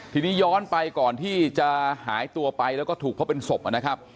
ทีนี้ย้อนไปก่อนที่จะหายตัวไปแล้วก็ถูกพบเป็นศพนะครับ